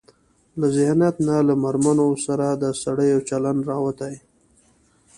له ذهنيت نه له مېرمنو سره د سړيو چلن راوتى.